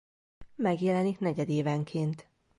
Megjelenik negyedévenként.